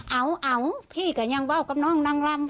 เอาพี่ก็ยังว่าวกับน้องนางลำ